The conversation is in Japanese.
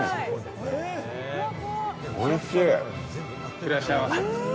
いらっしゃいませ。